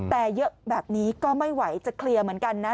แต่เยอะแบบนี้ก็ไม่ไหวจะเคลียร์เหมือนกันนะ